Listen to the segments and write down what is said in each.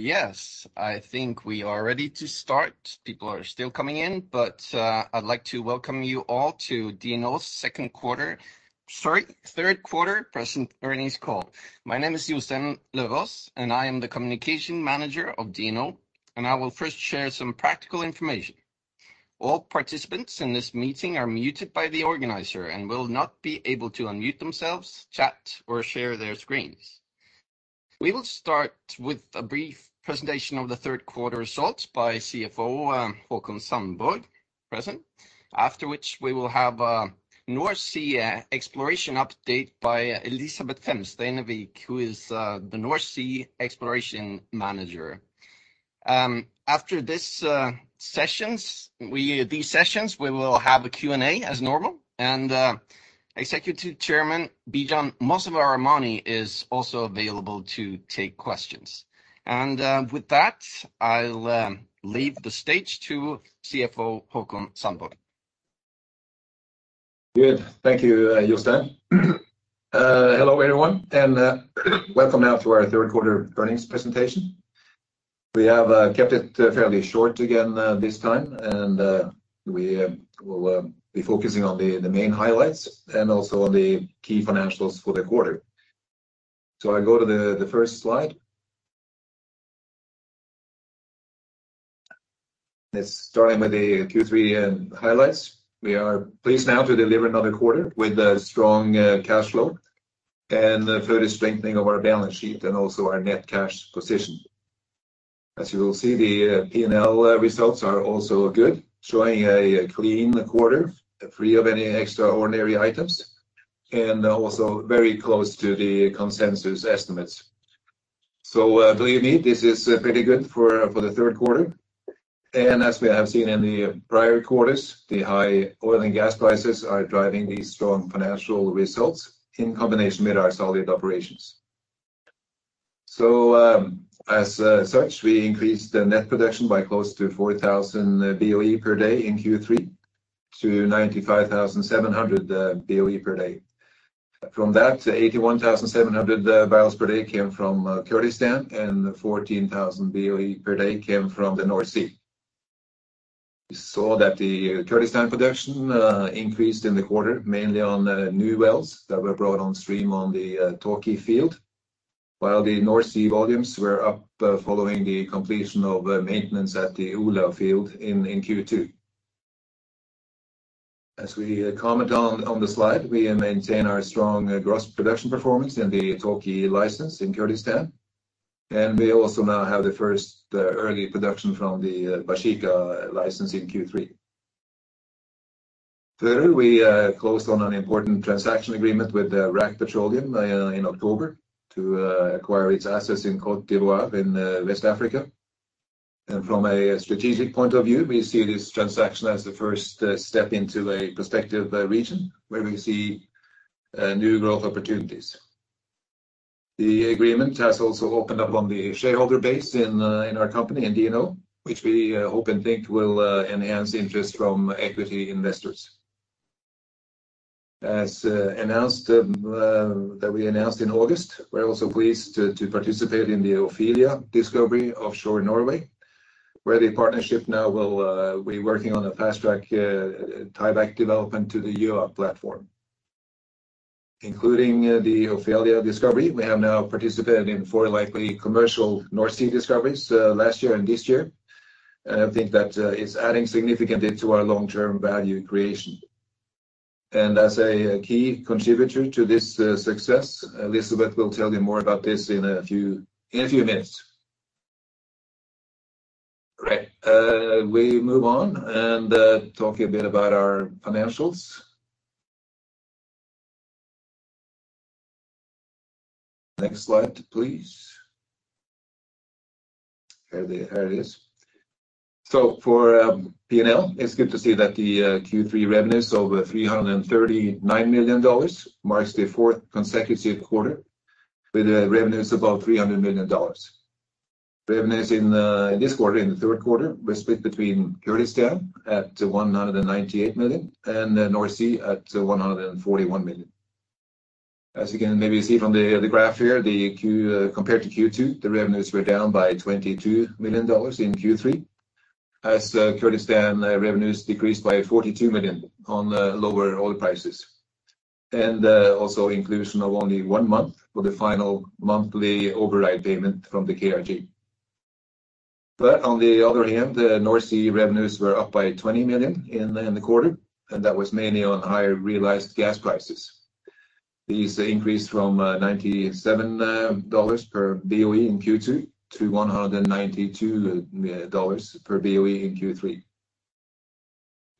Yes, I think we are ready to start. People are still coming in, but I'd like to welcome you all to DNO's third quarter presentation earnings call. My name is Jostein Løvås, and I am the Communication Manager of DNO, and I will first share some practical information. All participants in this meeting are muted by the organizer and will not be able to unmute themselves, chat, or share their screens. We will start with a brief presentation of the third quarter results by CFO Haakon Sandborg present. After which, we will have a North Sea exploration update by Elisabeth Femsteinevik, who is the North Sea Exploration Manager. After these sessions, we will have a Q&A as normal. Executive Chairman Bijan Mossavar-Rahmani is also available to take questions. With that, I'll leave the stage to CFO Haakon Sandborg. Good. Thank you, Jostein. Hello, everyone, and welcome now to our third quarter earnings presentation. We have kept it fairly short again this time, and we will be focusing on the main highlights and also on the key financials for the quarter. I go to the first slide. Let's start with the Q3 highlights. We are pleased now to deliver another quarter with a strong cash flow and the further strengthening of our balance sheet and also our net cash position. As you will see, the P&L results are also good, showing a clean quarter, free of any extraordinary items, and also very close to the consensus estimates. Believe me, this is pretty good for the third quarter. As we have seen in the prior quarters, the high oil and gas prices are driving these strong financial results in combination with our solid operations. As such, we increased the net production by close to 4,000 BOE per day in Q3 to 95,700 BOE per day. From that, 81,700 barrels per day came from Kurdistan, and 14,000 BOE per day came from the North Sea. We saw that the Kurdistan production increased in the quarter, mainly on new wells that were brought on stream on the Tawke field, while the North Sea volumes were up following the completion of maintenance at the Ula field in Q2. As we comment on the slide, we maintain our strong gross production performance in the Tawke license in Kurdistan, and we also now have the first early production from the Baeshiqa license in Q3. Further, we closed on an important transaction agreement with RAK Petroleum in October to acquire its assets in Côte d'Ivoire in West Africa. From a strategic point of view, we see this transaction as the first step into a prospective region where we see new growth opportunities. The agreement has also opened up the shareholder base in our company, in DNO, which we hope and think will enhance interest from equity investors. As announced in August, we're also pleased to participate in the Ofelia discovery offshore Norway, where the partnership now will be working on a fast-track tieback development to the Ula platform. Including the Ofelia discovery, we have now participated in four likely commercial North Sea discoveries last year and this year. I think that is adding significantly to our long-term value creation. As a key contributor to this success, Elisabeth will tell you more about this in a few minutes. Great. We move on and talk a bit about our financials. Next slide, please. Here it is. For P&L, it's good to see that the Q3 revenues over $339 million marks the fourth consecutive quarter with the revenues above $300 million. Revenues in this quarter, in the third quarter, were split between Kurdistan at $198 million and the North Sea at $141 million. As you can maybe see from the graph here, Q3 compared to Q2, the revenues were down by $22 million in Q3 as Kurdistan revenues decreased by $42 million on the lower oil prices, also inclusion of only one month for the final monthly override payment from the KRG. But on the other hand, the North Sea revenues were up by $20 million in the quarter, and that was mainly on higher realized gas prices. These increased from $97 per BOE in Q2 to $192 per BOE in Q3.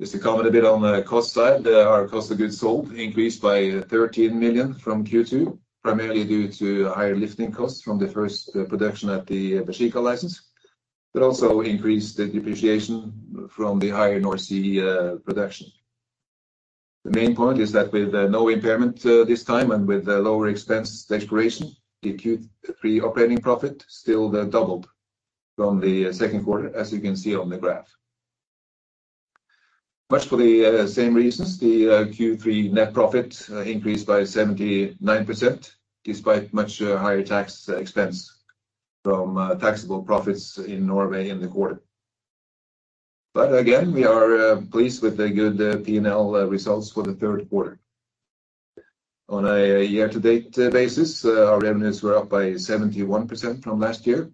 Just to comment a bit on the cost side, our cost of goods sold increased by $13 million from Q2, primarily due to higher lifting costs from the first production at the Baeshiqa license, but also increased depreciation from the higher North Sea production. The main point is that with no impairment this time and with the lower expense exploration, the Q3 operating profit still doubled from the second quarter, as you can see on the graph. Much for the same reasons, the Q3 net profit increased by 79% despite much higher tax expense from taxable profits in Norway in the quarter. We are pleased with the good P&L results for the third quarter. On a year-to-date basis, our revenues were up by 71% from last year.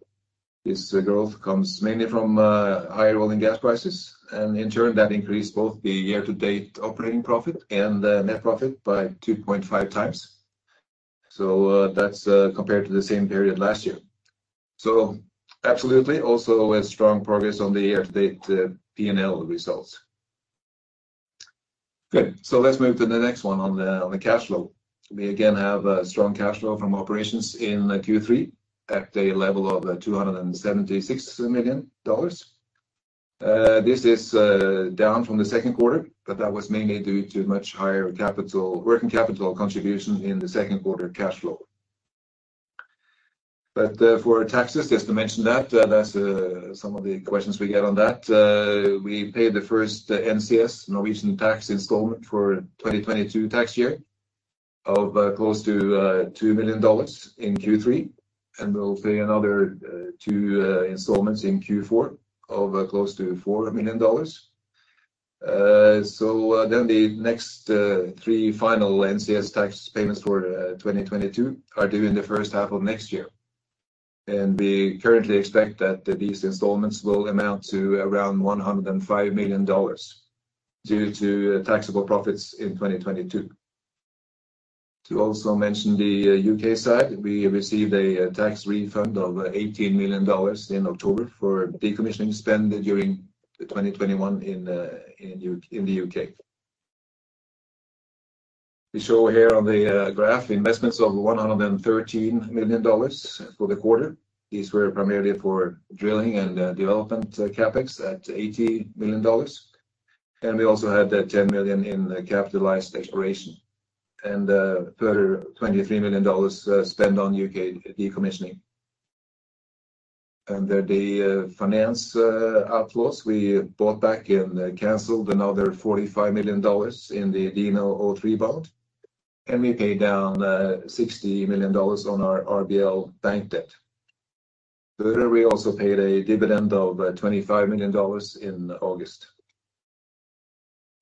This growth comes mainly from higher oil and gas prices, and in turn, that increased both the year-to-date operating profit and the net profit by 2.5x. That's compared to the same period last year. Absolutely, also a strong progress on the year-to-date P&L results. Good. Let's move to the next one on the cash flow. We again have strong cash flow from operations in Q3 at a level of $276 million. This is down from the second quarter, but that was mainly due to much higher capital working capital contribution in the second quarter cash flow. For taxes, just to mention that's some of the questions we get on that. We paid the first NCS Norwegian tax installment for 2022 tax year of close to $2 million in Q3. We'll pay another two installments in Q4 of close to $4 million. The next three final NCS tax payments for 2022 are due in the first half of next year. We currently expect that these installments will amount to around $105 million due to taxable profits in 2022. To also mention the U.K. side, we received a tax refund of $18 million in October for decommissioning spend during 2021 in the U.K. We show here on the graph investments of $113 million for the quarter. These were primarily for drilling and development CapEx at $80 million. We also had $10 million in capitalized exploration. Further $23 million spent on U.K. decommissioning. Under the finance outflows, we bought back and canceled another $45 million in the DNO03 bond, and we paid down $60 million on our RBL bank debt. Further, we also paid a dividend of $25 million in August.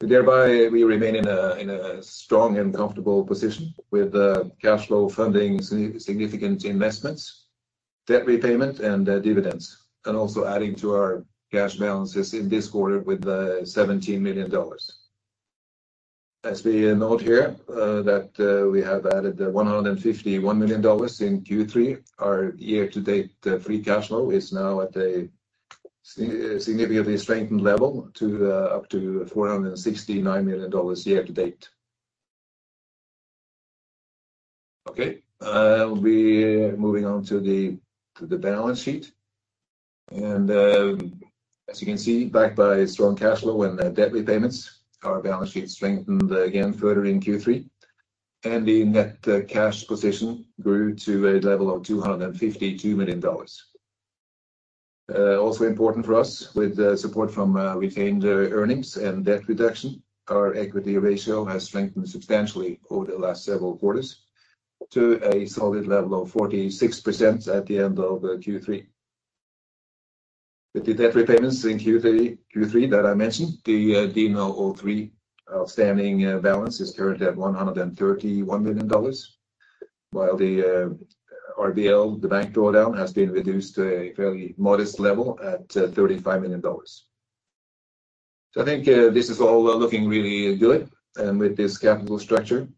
Thereby, we remain in a strong and comfortable position with cash flow funding significant investments, debt repayment, and dividends, and also adding to our cash balances in this quarter with $17 million. As we note here, that we have added $151 million in Q3. Our year-to-date free cash flow is now at a significantly strengthened level up to $469 million year-to-date. Okay. We're moving on to the balance sheet. As you can see, backed by strong cash flow and debt repayments, our balance sheet strengthened again further in Q3, and the net cash position grew to a level of $252 million. Also important for us, with the support from retained earnings and debt reduction, our equity ratio has strengthened substantially over the last several quarters to a solid level of 46% at the end of Q3. With the debt repayments in Q3 that I mentioned, the DNO03 outstanding balance is currently at $131 million, while the RBL, the bank drawdown, has been reduced to a fairly modest level at $35 million. I think this is all looking really good. With this capital structure,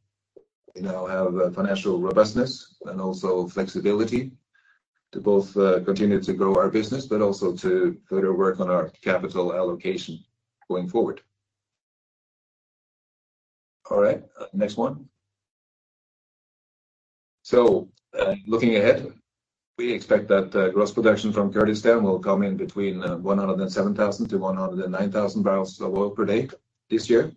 we now have financial robustness and also flexibility to both continue to grow our business, but also to further work on our capital allocation going forward. All right, next one. Looking ahead, we expect that gross production from Kurdistan will come in between 107,000-109,000 barrels of oil per day this year.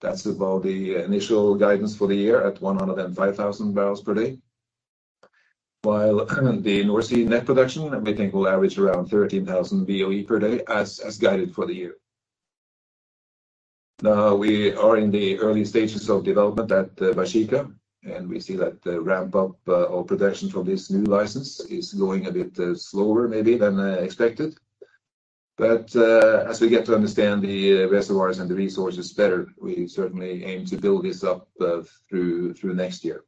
That's above the initial guidance for the year at 105,000 barrels of oil per day. While the North Sea net production we think will average around 13,000 BOE per day as guided for the year. Now, we are in the early stages of development at Baeshiqa, and we see that the ramp up of production from this new license is going a bit slower maybe than expected. As we get to understand the reservoirs and the resources better, we certainly aim to build this up through next year.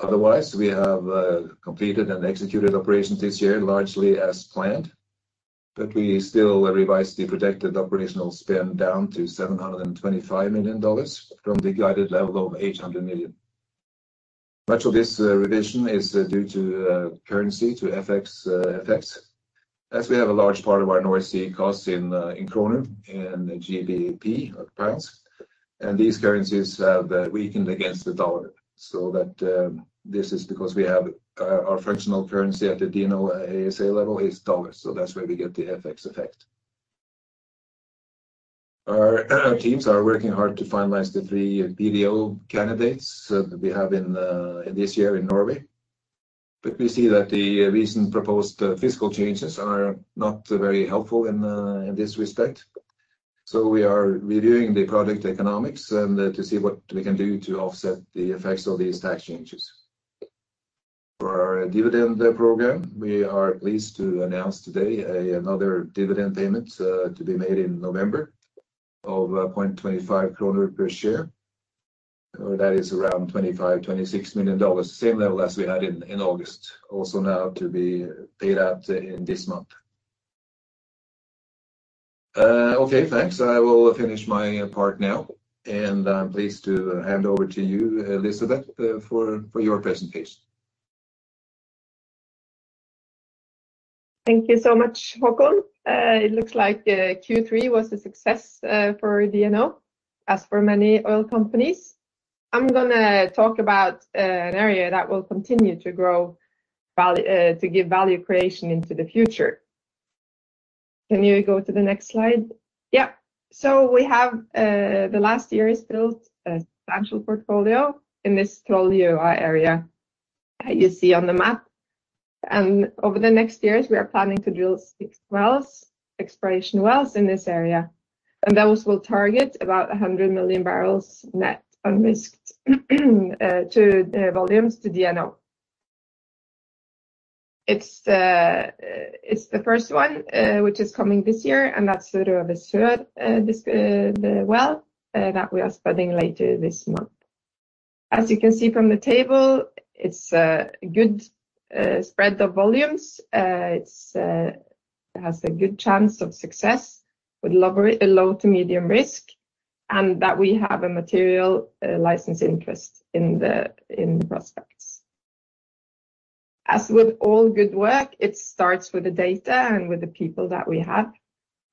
Otherwise, we have completed and executed operations this year largely as planned, but we still revise the projected operational spend down to $725 million from the guided level of $800 million. Much of this revision is due to currency and FX effects, as we have a large part of our North Sea costs in kroner and GBP, or pounds, and these currencies have weakened against the dollar, so that this is because we have our functional currency at the DNO ASA level is dollars, so that's where we get the FX effect. Our teams are working hard to finalize the three PDO candidates that we have in this year in Norway. We see that the recent proposed fiscal changes are not very helpful in this respect. We are reviewing the product economics and to see what we can do to offset the effects of these tax changes. For our dividend program, we are pleased to announce today another dividend payment to be made in November of 0.25 kroner per share. That is around $25 million-$26 million, same level as we had in August, also now to be paid out in this month. Okay, thanks. I will finish my part now, and I'm pleased to hand over to you, Elisabeth, for your presentation. Thank you so much, Haakon. It looks like Q3 was a success for DNO, as for many oil companies. I'm gonna talk about an area that will continue to grow value to give value creation into the future. Can you go to the next slide? Yeah. We have the last years built a substantial portfolio in this Troll-Gjøa area you see on the map. Over the next years, we are planning to drill six wells, exploration wells in this area. Those will target about 100 million barrels net unrisked volumes to DNO. It's the first one which is coming this year, and that's the Røver Sør, the well that we are spudding later this month. As you can see from the table, it's a good spread of volumes. It has a good chance of success with low to medium risk, and that we have a material license interest in the prospects. As with all good work, it starts with the data and with the people that we have.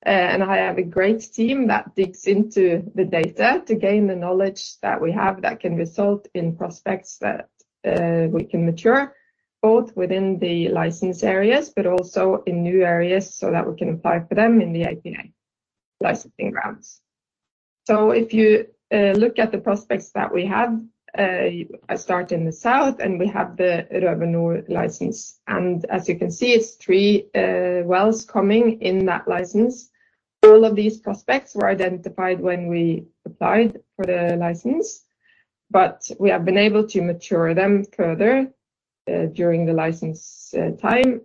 I have a great team that digs into the data to gain the knowledge that we have that can result in prospects that we can mature, both within the license areas but also in new areas, so that we can apply for them in the APA licensing rounds. If you look at the prospects that we have, I start in the south, and we have the Røver Nord license. As you can see, it's three wells coming in that license. All of these prospects were identified when we applied for the license, but we have been able to mature them further during the license time.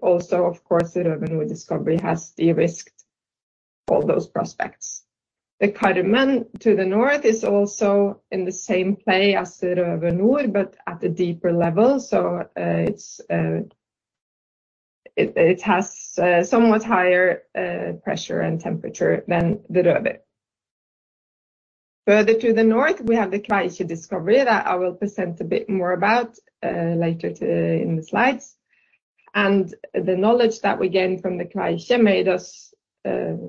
Also, of course, the Røver Nord discovery has de-risked all those prospects. The Carmen to the north is also in the same play as the Røver Nord but at a deeper level. It has somewhat higher pressure and temperature than the Røver. Further to the north, we have the Kveikje discovery that I will present a bit more about later in the slides. The knowledge that we gained from the Kveikje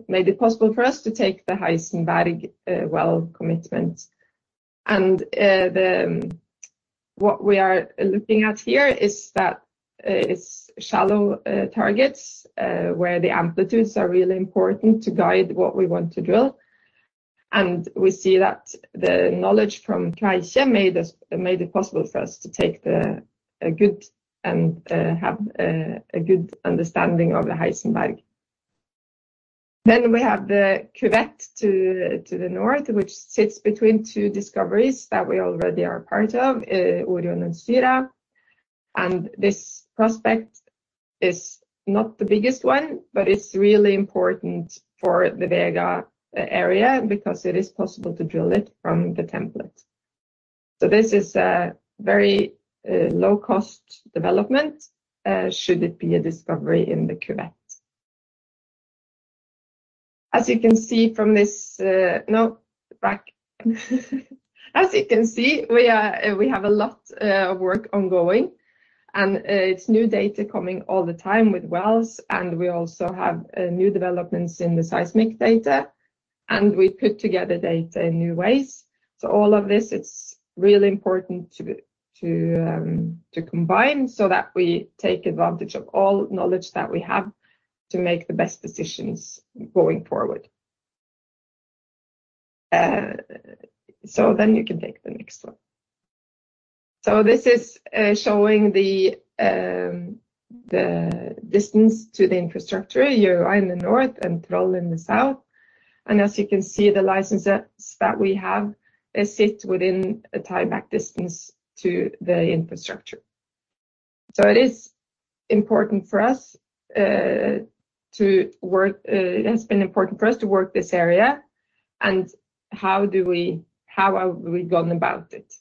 made it possible for us to take the Heisenberg well commitment. What we are looking at here is that it's shallow targets where the amplitudes are really important to guide what we want to drill. We see that the knowledge from Kveikje made it possible for us to have a good understanding of the Heisenberg. We have the Cuvette to the north, which sits between two discoveries that we already are part of, Orion and Syrah. This prospect is not the biggest one, but it's really important for the Vega area because it is possible to drill it from the template. This is a very low cost development, should it be a discovery in the Cuvette. As you can see from this. As you can see, we have a lot of work ongoing, and it's new data coming all the time with wells, and we also have new developments in the seismic data, and we put together data in new ways. All of this, it's really important to combine so that we take advantage of all knowledge that we have to make the best decisions going forward. Then you can take the next one. This is showing the distance to the infrastructure, Gjøa in the north and Troll in the south. As you can see, the licenses that we have, they sit within a tieback distance to the infrastructure. It is important for us to work this area. It has been important for us to work this area. How do we, how have we gone about it?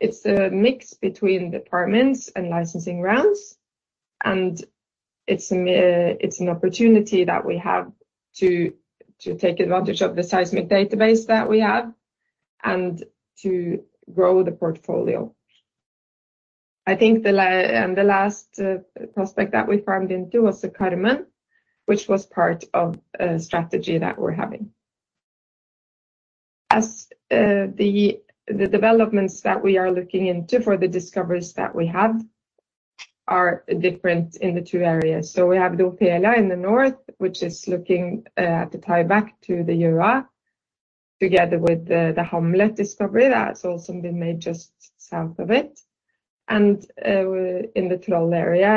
It's a mix between departments and licensing rounds, and it's an opportunity that we have to take advantage of the seismic database that we have and to grow the portfolio. I think the last prospect that we farmed into was the Carmen, which was part of a strategy that we're having. The developments that we are looking into for the discoveries that we have are different in the two areas. We have the Ofelia in the north, which is looking to tie back to the Gjøa together with the Hamlet discovery that's also been made just south of it. In the Troll area,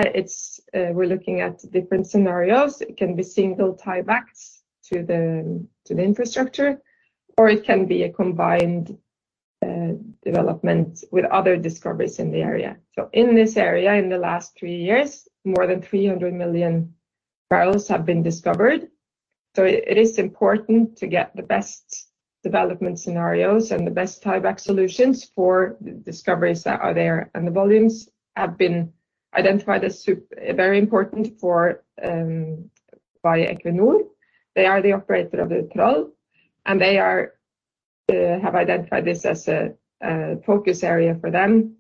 we're looking at different scenarios. It can be single tiebacks to the infrastructure, or it can be a combined development with other discoveries in the area. In this area, in the last three years, more than 300 million barrels have been discovered. It is important to get the best development scenarios and the best tieback solutions for discoveries that are there. The volumes have been identified as very important by Equinor. They are the operator of the Troll, and they have identified this as a focus area for them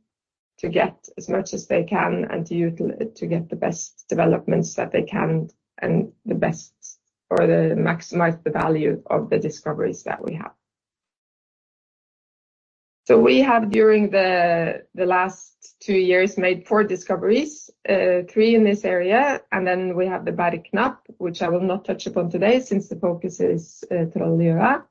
to get as much as they can and to get the best developments that they can and the best or maximize the value of the discoveries that we have. We have during the last two years made four discoveries, three in this area, and then we have the Bergnapp, which I will not touch upon today since the focus is Troll-Gjøa.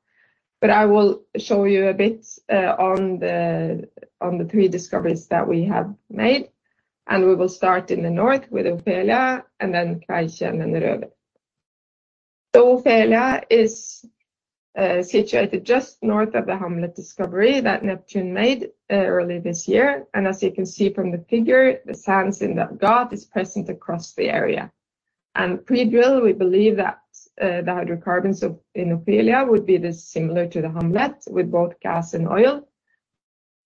I will show you a bit on the three discoveries that we have made, and we will start in the north with Ofelia and then Kveikje and then Røver. Ofelia is situated just north of the Hamlet discovery that Neptune made early this year. As you can see from the figure, the sands in the gap is present across the area. Pre-drill, we believe that the hydrocarbons in Ofelia would be the similar to the Hamlet with both gas and oil.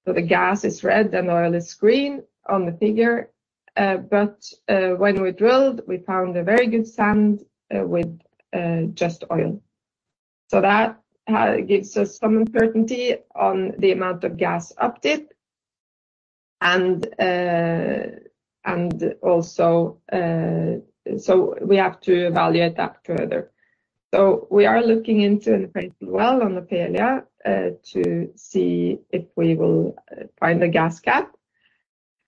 The gas is red and oil is green on the figure. When we drilled, we found a very good sand with just oil. That gives us some uncertainty on the amount of gas uptake and also we have to evaluate that further. We are looking into an appraisal well on Ofelia to see if we will find the gas cap.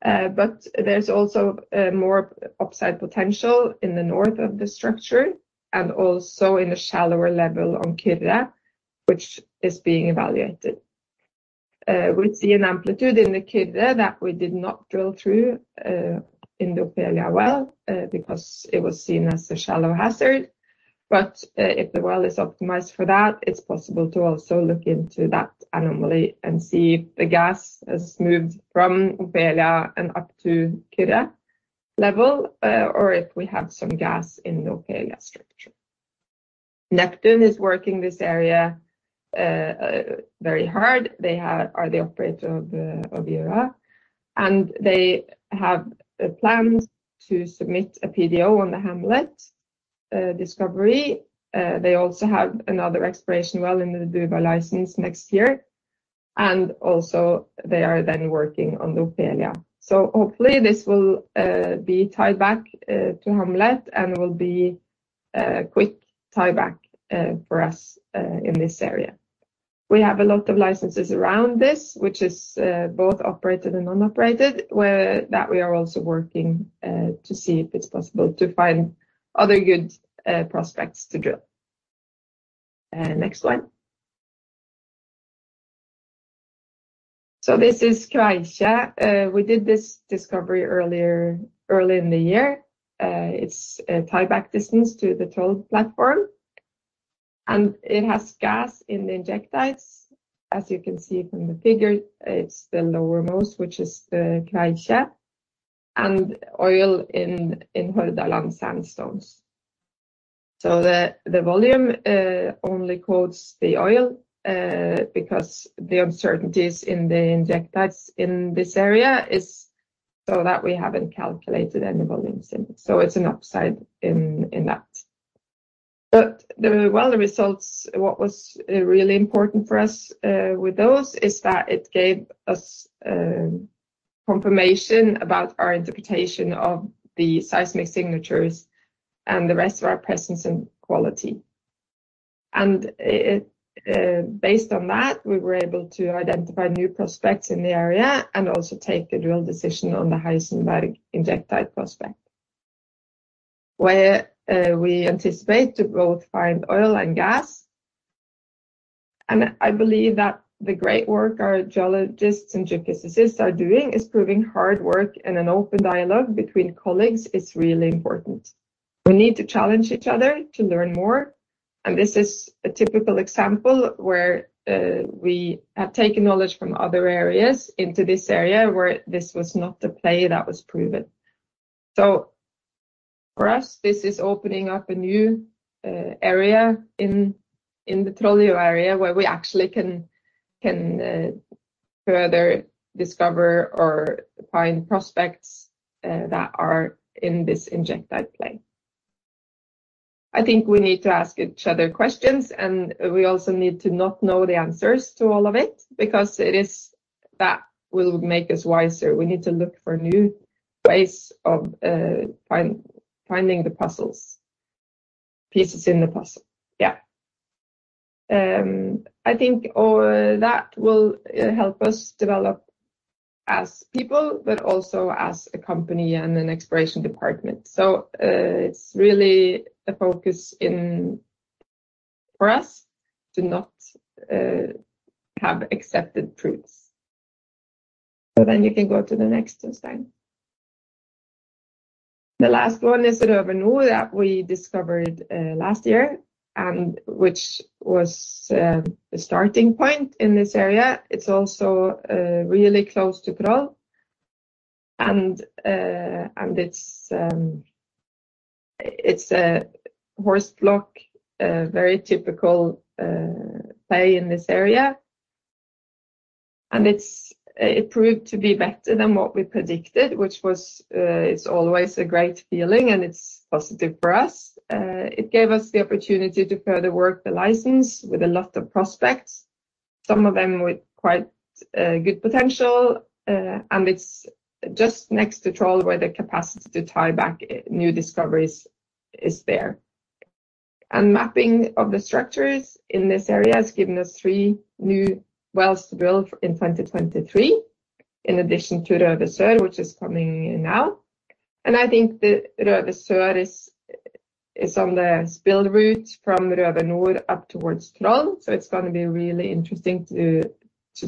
There's also more upside potential in the north of the structure and also in a shallower level on Kyrre, which is being evaluated. We see an amplitude in the Kyrre that we did not drill through in the Ofelia well because it was seen as a shallow hazard. If the well is optimized for that, it's possible to also look into that anomaly and see if the gas has moved from Ofelia and up to Kyrre level, or if we have some gas in the Ofelia structure. Neptune is working this area very hard. They are the operator of Jora, and they have plans to submit a PDO on the Hamlet discovery. They also have another exploration well in the Doba license next year, and also they are then working on the Ofelia. Hopefully this will be tied back to Hamlet and will be a quick tieback for us in this area. We have a lot of licenses around this, which is both operated and non-operated, where we are also working to see if it's possible to find other good prospects to drill. Next slide. This is Kveikje. We did this discovery early in the year. It's a tieback distance to the Troll platform, and it has gas in the injectites. As you can see from the figure, it's the lowermost, which is the Kveikje, and oil in Hordaland sandstones. The volume only quotes the oil because the uncertainties in the injectites in this area is so that we haven't calculated any volumes in. It's an upside in that. The well results, what was really important for us with those is that it gave us confirmation about our interpretation of the seismic signatures and the reservoir presence and quality. Based on that, we were able to identify new prospects in the area and also take the drill decision on the Heisenberg injectite prospect, where we anticipate to both find oil and gas. I believe that the great work our geologists and geophysicists are doing is proving hard work and an open dialogue between colleagues is really important. We need to challenge each other to learn more, and this is a typical example where we have taken knowledge from other areas into this area where this was not the play that was proven. For us, this is opening up a new area in the Troll-Gjøa area where we actually can further discover or find prospects that are in this injectite play. I think we need to ask each other questions, and we also need to not know the answers to all of it, because it is that will make us wiser. We need to look for new ways of finding the puzzle pieces in the puzzle. Yeah. I think all that will help us develop as people, but also as a company and an exploration department. It's really a focus in for us to not have accepted truths. You can go to the next slide. The last one is Røver Nord that we discovered last year and which was the starting point in this area. It's also really close to Troll and it's a horst block, a very typical play in this area. It proved to be better than what we predicted, which was—it's always a great feeling, and it's positive for us. It gave us the opportunity to further work the license with a lot of prospects, some of them with quite good potential. It's just next to Troll, where the capacity to tie back new discoveries is there. Mapping of the structures in this area has given us three new wells to drill in 2023, in addition to Røver Sør, which is coming in now. I think the Røver Sør is on the spill route from Røver Nord up towards Troll. It's gonna be really interesting to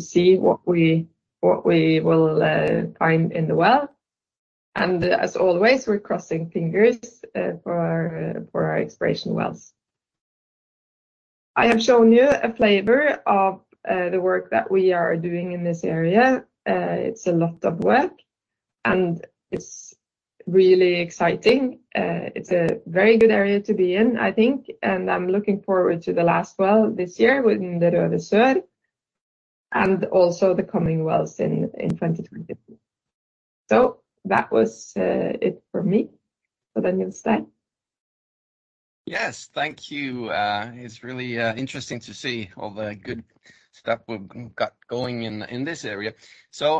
see what we will find in the well. As always, we're crossing fingers for our exploration wells. I have shown you a flavor of the work that we are doing in this area. It's a lot of work, and it's really exciting. It's a very good area to be in, I think, and I'm looking forward to the last well this year with Røver Sør and also the coming wells in 2023. That was it for me. Then you'll start. Yes. Thank you. It's really interesting to see all the good stuff we've got going in this area.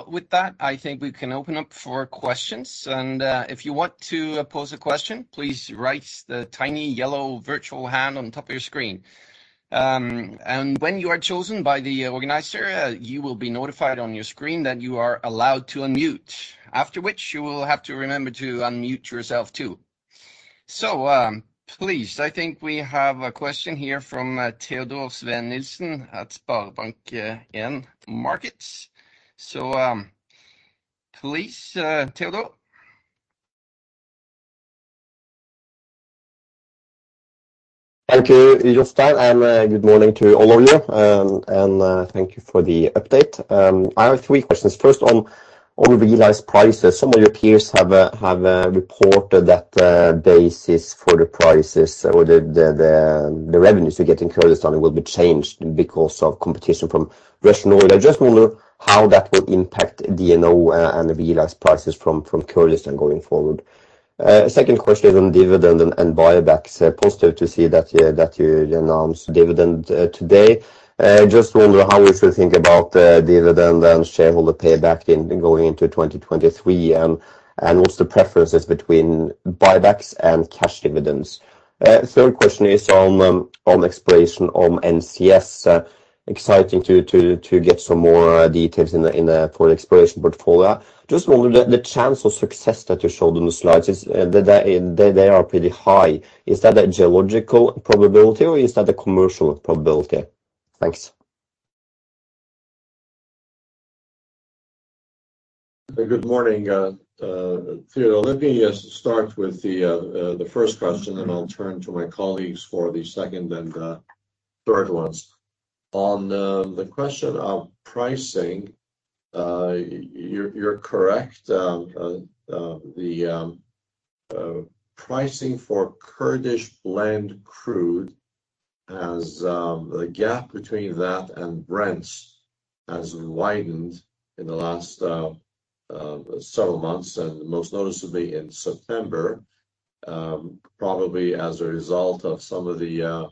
With that, I think we can open up for questions. If you want to pose a question, please raise the tiny yellow virtual hand on top of your screen. When you are chosen by the organizer, you will be notified on your screen that you are allowed to unmute, after which you will have to remember to unmute yourself too. Please, I think we have a question here from Teodor Sveen-Nilsen at SpareBank 1 Markets. Please, Teodor. Thank you, Jostein, and good morning to all of you. Thank you for the update. I have three questions. First, on realized prices. Some of your peers have reported that the basis for the prices or the revenues you get in Kurdistan will be changed because of competition from Russian oil. I just wonder how that will impact DNO and the realized prices from Kurdistan going forward. Second question is on dividend and buybacks. Positive to see that you announced dividend today. Just wonder how we should think about the dividend and shareholder payback in going into 2023, and what's the preferences between buybacks and cash dividends. Third question is on exploration on NCS. Exciting to get some more details in the for exploration portfolio. Just wonder the chance of success that you showed on the slides, is they are pretty high. Is that a geological probability or is that a commercial probability? Thanks. Good morning, Teodor. Let me start with the first question, then I'll turn to my colleagues for the second and third ones. On the question of pricing, you're correct. The pricing for Kurdish Blend crude has the gap between that and Brent has widened in the last several months and most noticeably in September, probably as a result of some of the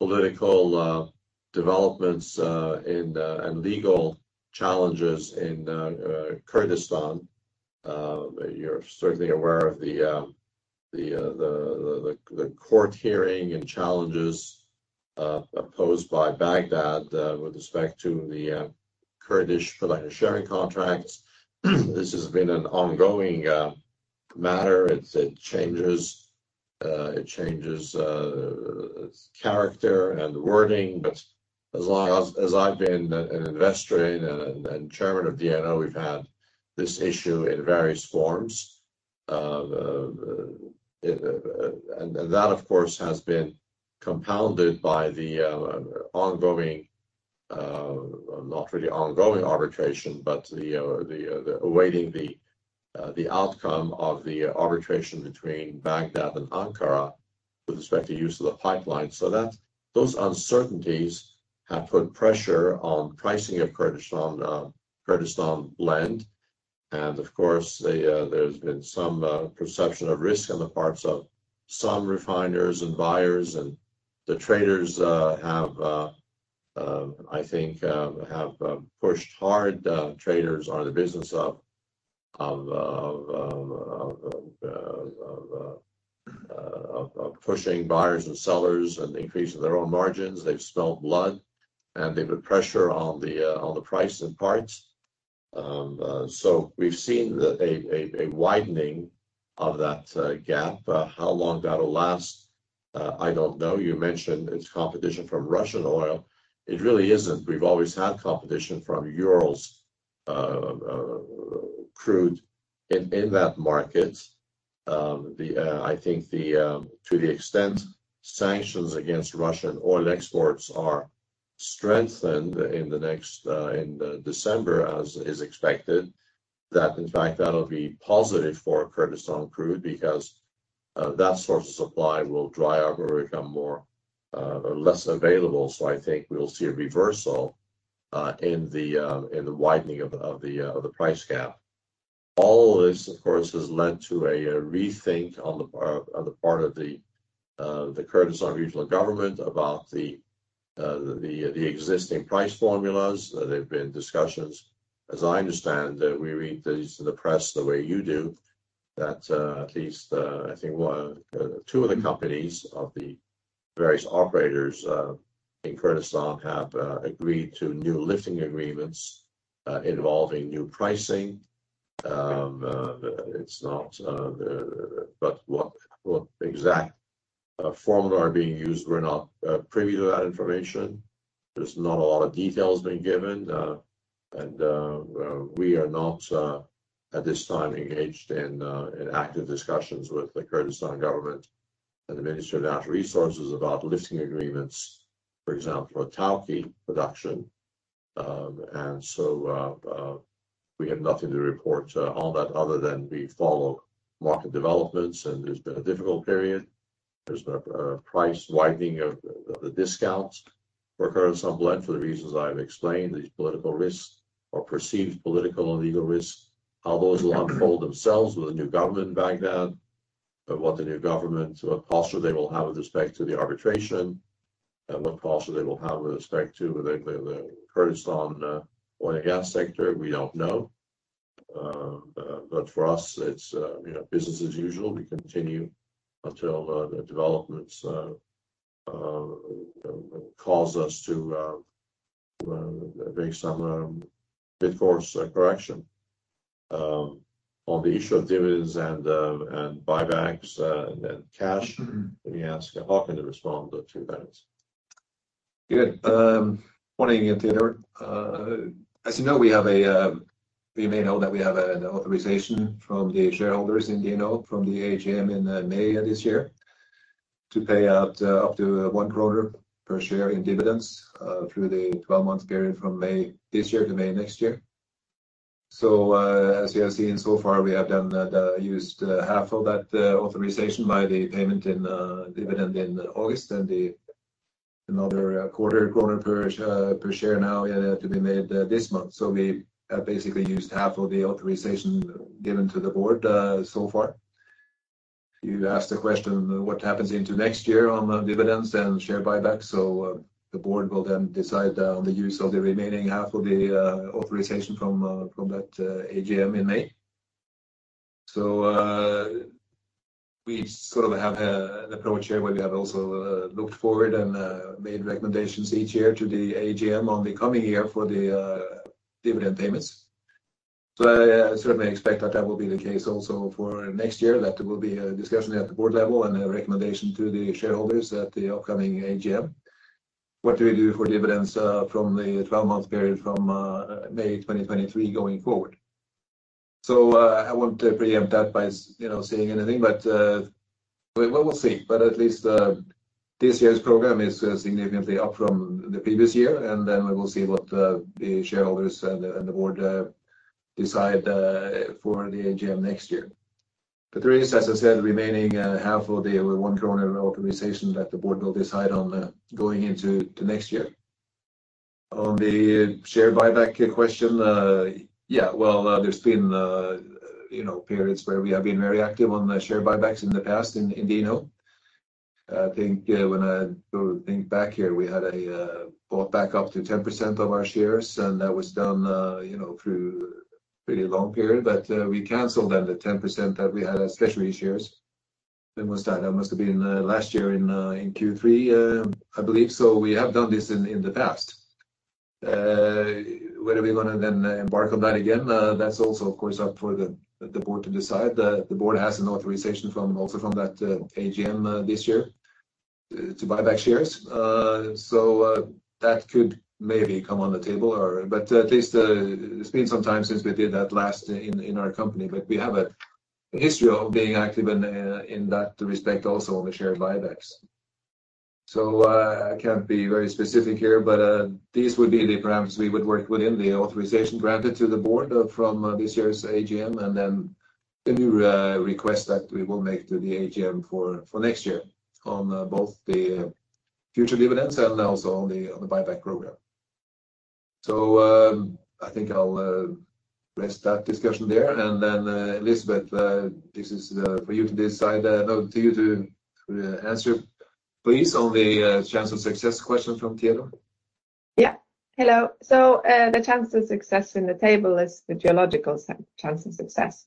political developments and legal challenges in Kurdistan. You're certainly aware of the court hearing and challenges opposed by Baghdad with respect to the Kurdish production-sharing contracts. This has been an ongoing matter. It changes character and wording. As long as I've been an investor and Chairman of DNO, we've had this issue in various forms. That of course has been compounded by the ongoing, not really ongoing arbitration, but awaiting the outcome of the arbitration between Baghdad and Ankara with respect to use of the pipeline. Those uncertainties have put pressure on pricing of Kurdish Blend. Of course, there's been some perception of risk on the parts of some refiners and buyers and the traders have, I think, pushed hard, traders on the business of pushing buyers and sellers and increasing their own margins. They've smelled blood, and they put pressure on the price and parts. We've seen the widening of that gap. How long that'll last, I don't know. You mentioned it's competition from Russian oil. It really isn't. We've always had competition from Urals crude in that market. I think to the extent sanctions against Russian oil exports are strengthened in December as is expected, that in fact that'll be positive for Kurdistan crude because that source of supply will dry up or become more or less available. I think we'll see a reversal in the widening of the price gap. All of this, of course, has led to a rethink on the part of the Kurdistan Regional Government about the existing price formulas. There have been discussions. As I understand, we read these in the press the way you do, that at least, I think one, two of the companies of the various operators in Kurdistan have agreed to new lifting agreements involving new pricing. It's not the. But what exact formula are being used, we're not privy to that information. There's not a lot of details being given. We are not, at this time, engaged in active discussions with the Kurdistan government and the Ministry of Natural Resources about lifting agreements, for example, for Tawke production. We have nothing to report on that other than we follow market developments, and it's been a difficult period. There's been a price widening of the discounts for Kurdish Blend for the reasons I've explained, these political risks or perceived political and legal risks. How those will unfold themselves with the new government in Baghdad, what posture they will have with respect to the arbitration, and what posture they will have with respect to the Kurdistan oil and gas sector, we don't know. For us, it's you know, business as usual. We continue until the developments cause us to make some mid-course correction. On the issue of dividends and buybacks and cash, let me ask Haakon to respond to those. Good. Morning again, Teodor. As you know, you may know that we have an authorization from the shareholders in DNO from the AGM in May of this year to pay out up to 1 kroner per share in dividends through the 12-month period from May this year to May next year. As you have seen so far, we have used half of that authorization by the payment of dividend in August, and another quarter kroner per share now to be made this month. We have basically used half of the authorization given to the board so far. You asked the question what happens into next year on the dividends and share buybacks. The board will then decide on the use of the remaining half of the authorization from that AGM in May. We sort of have an approach here where we have also looked forward and made recommendations each year to the AGM on the coming year for the dividend payments. I certainly expect that will be the case also for next year, that there will be a discussion at the board level and a recommendation to the shareholders at the upcoming AGM. What do we do for dividends from the 12-month period from May 2023 going forward? I won't preempt that by saying, you know, anything, but we'll see. At least, this year's program is significantly up from the previous year, and then we will see what the shareholders and the board decide for the AGM next year. There is, as I said, the remaining half of the 1 authorization that the board will decide on going into next year. On the share buyback question, yeah, well, there's been you know, periods where we have been very active on the share buybacks in the past in DNO. I think, when I think back here, we had bought back up to 10% of our shares, and that was done you know, through a pretty long period. We canceled then the 10% that we had as treasury shares. When was that? That must have been last year in Q3, I believe. We have done this in the past. Whether we gonna then embark on that again, that's also of course up for the board to decide. The board has an authorization from that AGM this year to buy back shares. That could maybe come on the table or. At least, it's been some time since we did that last in our company. We have a history of being active in that respect also on the share buybacks. I can't be very specific here, but these would be the parameters we would work within, the authorization granted to the board from this year's AGM, and then the new request that we will make to the AGM for next year on both the future dividends and also on the buyback program. I think I'll rest that discussion there. Elisabeth, this is for you to answer please on the chance of success question from Teodor. Yeah. Hello. The chance of success in the table is the geological chance of success.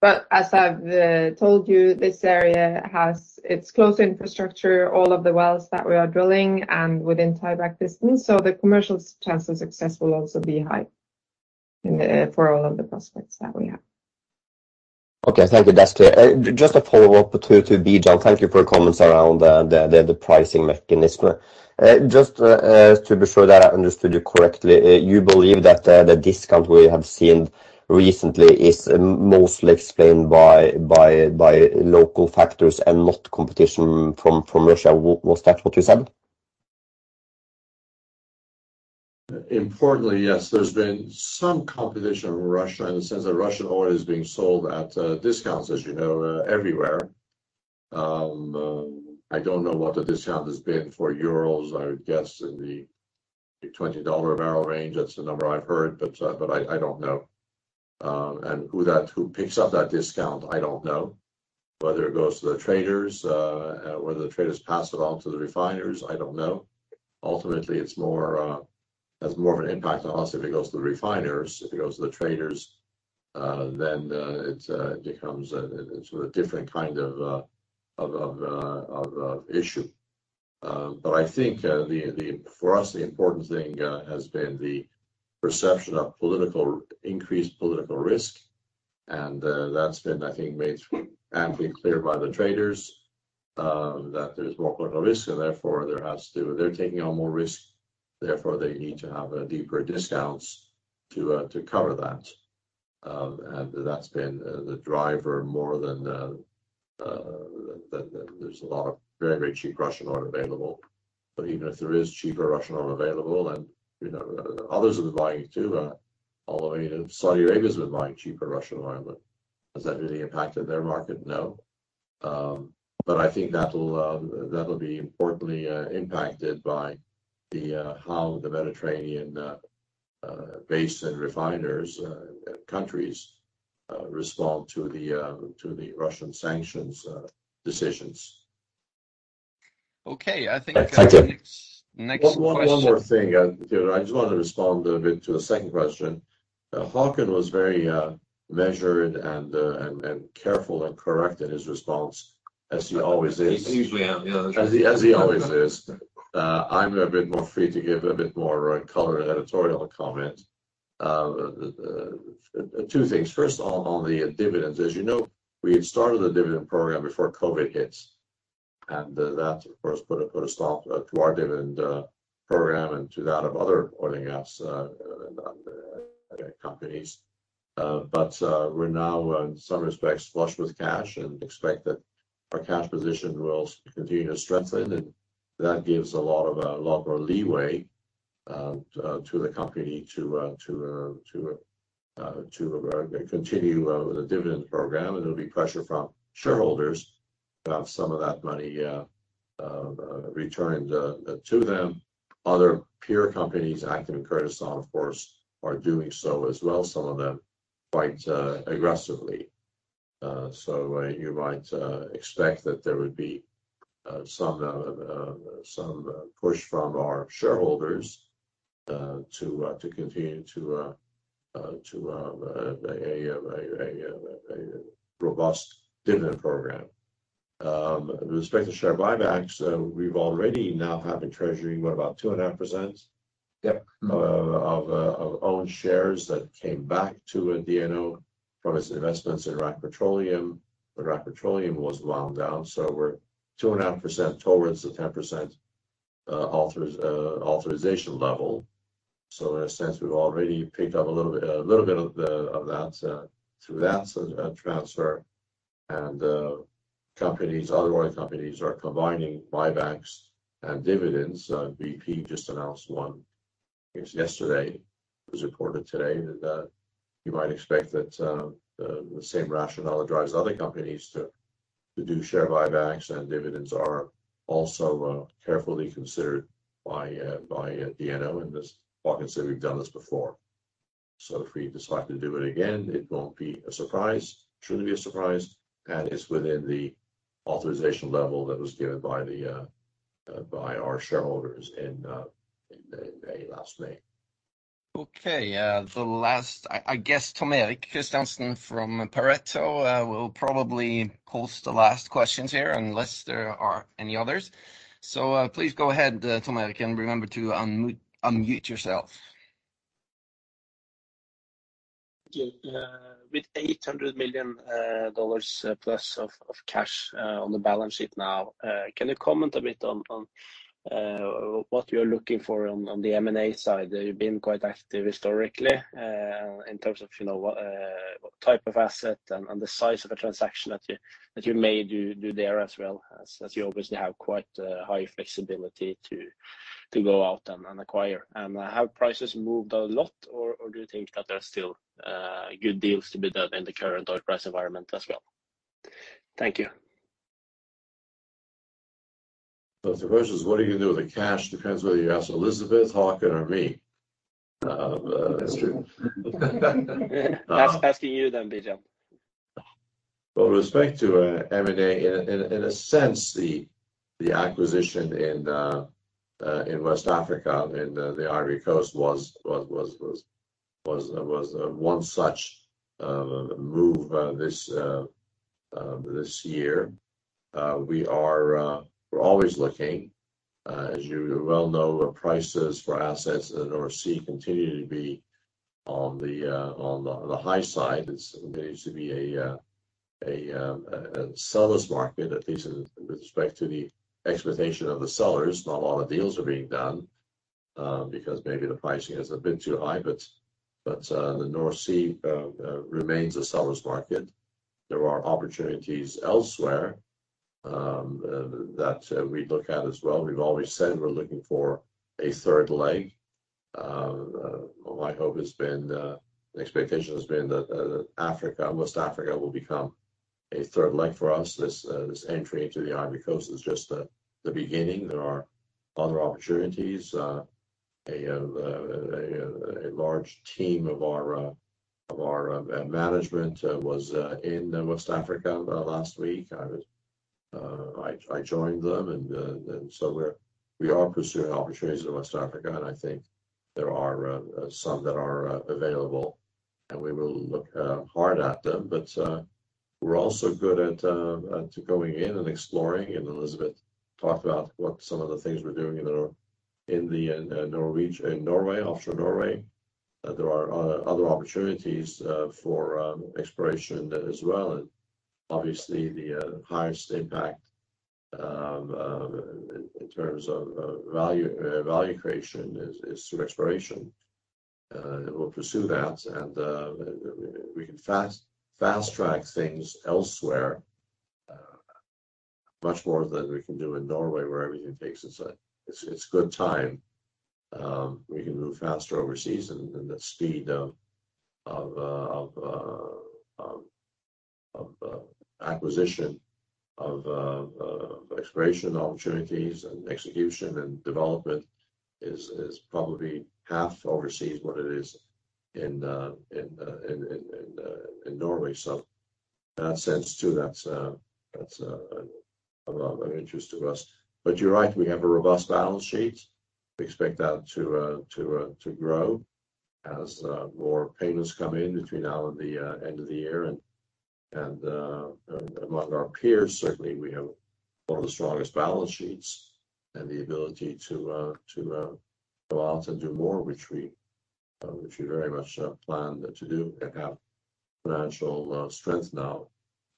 But as I've told you, this area has its close infrastructure. All of the wells that we are drilling and within tieback distance, so the commercial chance of success will also be high for all of the prospects that we have. Okay. Thank you. That's clear. Just a follow-up to Bijan. Thank you for your comments around the pricing mechanism. Just to be sure that I understood you correctly, you believe that the discount we have seen recently is mostly explained by local factors and not competition from Russia. Was that what you said? Importantly, yes. There's been some competition from Russia in the sense that Russian oil is being sold at discounts, as you know, everywhere. I don't know what the discount has been for Urals. I would guess in the $20 a barrel range. That's the number I've heard, but I don't know. Who picks up that discount, I don't know. Whether it goes to the traders, whether the traders pass it on to the refiners, I don't know. Ultimately, has more of an impact on us if it goes to the refiners. If it goes to the traders, then it becomes a sort of different kind of issue. I think, the. For us, the important thing has been the perception of political increased political risk, and that's been, I think, made amply clear by the traders that there's more political risk and therefore they're taking on more risk, therefore they need to have deeper discounts to cover that. And that's been the driver more than than there's a lot of very cheap Russian oil available. But even if there is cheaper Russian oil available, then, you know, others are buying it too. Although, you know, Saudi Arabia's been buying cheaper Russian oil, but has that really impacted their market? No. But I think that'll be importantly impacted by how the Mediterranean basin and refining countries respond to the Russian sanctions decisions. Okay. I think. Thank you. Next question. One more thing. I just want to respond a bit to the second question. Haakon was very measured and careful and correct in his response, as he always is. He usually am, you know. As he always is. I'm a bit more free to give a bit more colored editorial comment. Two things. First of all, on the dividends. As you know, we had started the dividend program before COVID hit, and that of course put a stop to our dividend program and to that of other oil and gas companies. We're now in some respects flush with cash and expect that our cash position will continue to strengthen, and that gives a lot more leeway to the company to continue with the dividend program, and there'll be pressure from shareholders to have some of that money returned to them. Other peer companies, Equinor and Kurdistan, of course, are doing so as well, some of them quite aggressively. You might expect that there would be some push from our shareholders to continue to a robust dividend program. With respect to share buybacks, we've already now have been treasuring, what, about 2.5%? Yep. Mm-hmm. Of own shares that came back to DNO from its investments in RAK Petroleum. RAK Petroleum was wound down, so we're 2.5% towards the 10% authorization level. In a sense, we've already picked up a little bit of that through that transfer. Companies, other oil companies are combining buybacks and dividends. BP just announced one yesterday. It was reported today that you might expect that the same rationale that drives other companies to do share buybacks and dividends are also carefully considered by DNO in this. Haakon said we've done this before, so if we decide to do it again, it won't be a surprise, shouldn't be a surprise, and it's within the authorization level that was given by our shareholders in May, last May. Okay. I guess Tom Erik Kristiansen from Pareto Securities will probably pose the last questions here unless there are any others. Please go ahead, Tom Erik, and remember to unmute yourself. Yeah. With $800 million+ of cash on the balance sheet now, can you comment a bit on what you're looking for on the M&A side? You've been quite active historically, in terms of, you know, what type of asset and the size of a transaction that you may do there as well, as you obviously have quite high flexibility to go out and acquire. Have prices moved a lot, or do you think that there are still good deals to be done in the current oil price environment as well? Thank you. The question is what are you gonna do with the cash. Depends whether you ask Elisabeth, Haakon, or me. That's true. That's asking you then, Bijan. With respect to M&A, in a sense, the acquisition in West Africa, in the Ivory Coast was one such move this year. We're always looking. As you well know, the prices for assets in the North Sea continue to be on the high side. It continues to be a seller's market, at least with respect to the expectation of the sellers. Not a lot of deals are being done because maybe the pricing has been too high. The North Sea remains a seller's market. There are opportunities elsewhere that we look at as well. We've always said we're looking for a third leg. My hope has been, the expectation has been that, Africa, West Africa will become a third leg for us. This entry into the Ivory Coast is just the beginning. There are other opportunities. A large team of our management was in West Africa last week. I joined them, and so we are pursuing opportunities in West Africa, and I think there are some that are available, and we will look hard at them. We're also good at going in and exploring. Elisabeth talked about what some of the things we're doing in Norway, offshore Norway. There are other opportunities for exploration as well. Obviously the highest impact in terms of value creation is through exploration. We'll pursue that. We can fast-track things elsewhere much more than we can do in Norway, where everything takes its good time. We can move faster overseas, and the speed of acquisition of exploration opportunities and execution and development is probably half overseas what it is in Norway. In that sense too, that's of interest to us. You're right, we have a robust balance sheet. We expect that to grow as more payments come in between now and the end of the year. Among our peers, certainly we have one of the strongest balance sheets and the ability to go out and do more, which we very much plan to do and have financial strength now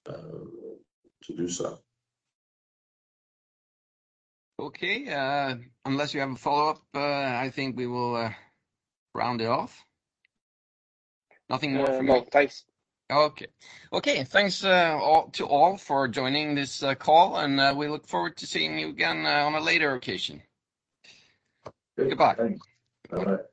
to do so. Okay. Unless you have a follow-up, I think we will round it off. Nothing more from me. Thanks. Okay, thanks to all for joining this call, and we look forward to seeing you again on a later occasion. Goodbye. Thanks. Bye-bye.